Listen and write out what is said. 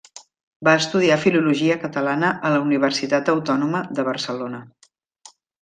Va estudiar filologia catalana a la Universitat Autònoma de Barcelona.